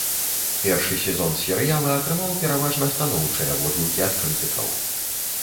Першы сезон серыяла атрымаў пераважна станоўчыя водгукі ад крытыкаў.